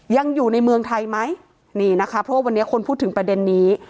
ยังอยู่ในเมืองไทยไหมนี่นะคะเพราะว่าวันนี้คนพูดถึงประเด็นนี้